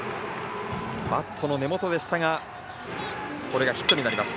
バットの根元でしたがヒットになりました。